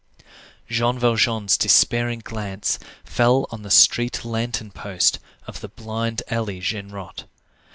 Jean Valjean's despairing glance fell on the street lantern post of the blind alley Genrot.